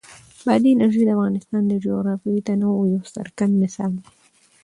بادي انرژي د افغانستان د جغرافیوي تنوع یو څرګند مثال دی.